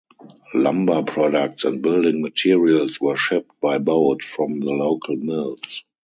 Lumber products and building materials were shipped by boat from the local mills.